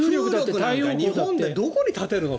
日本でどこに建てるの？